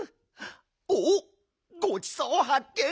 おっごちそうはっけん。